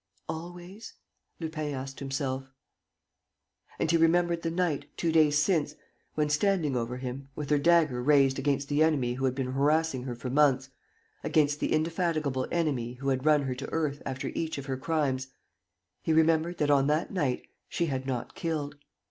"Always?" Lupin asked himself. And he remembered the night, two days since, when, standing over him, with her dagger raised against the enemy who had been harassing her for months, against the indefatigable enemy who had run her to earth after each of her crimes, he remembered that, on that night, she had not killed.